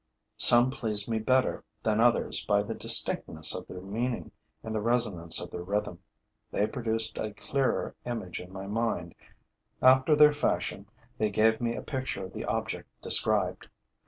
Some pleased me better than others by the distinctness of their meaning and the resonance of their rhythm; they produced a clearer image in my mind; after their fashion, they gave me a picture of the object described.